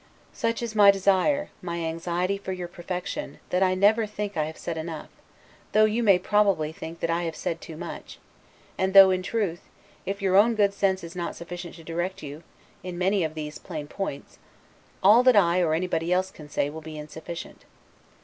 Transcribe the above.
Such is my desire, my anxiety for your perfection, that I never think I have said enough, though you may possibly think that I have said too much; and though, in truth, if your own good sense is not sufficient to direct you, in many of these plain points, all that I or anybody else can say will be insufficient.